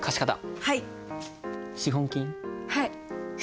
はい。